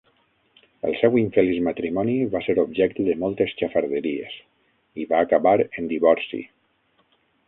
El seu infeliç matrimoni va ser objecte de moltes xafarderies, i va acabar en divorci.